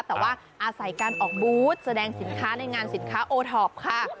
แต่ว่าอาศัยการออกบูธแสดงสินค้าในงานสินค้าโอท็อปค่ะ